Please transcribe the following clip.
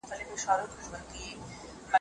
کله د څاروي مینه ذهن ته ارامتیا ورکوي؟